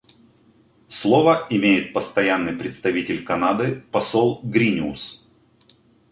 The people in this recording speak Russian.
Слово имеет Постоянный представитель Канады посол Гриниус.